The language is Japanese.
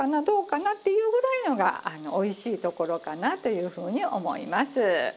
どうかな？っていうぐらいのがおいしいところかなというふうに思います。